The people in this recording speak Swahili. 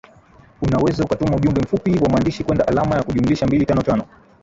unaweza ukatuma ujumbe mfupi wa maandishi kwenda alama ya kujumlisha mbili tano tano